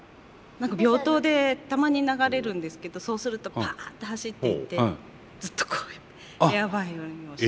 病棟でたまに流れるんですけどそうするとパッて走っていってずっとこうやってエアバイオリンをする。